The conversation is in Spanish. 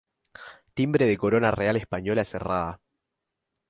Timbre de corona real española cerrada.